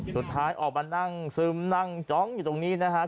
สุดท้ายออกมานั่งซึมนั่งจ้องอยู่ตรงนี้นะฮะ